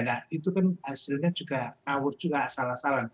nah itu kan hasilnya juga ngawur juga salah salah